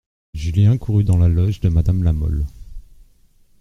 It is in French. Julien courut dans la loge de Madame de La Mole.